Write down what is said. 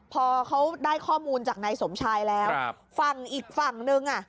พอเขาได้ข้อมูลจากนายสมชายแล้วฝั่งอีกฝั่งนึงอ่ะ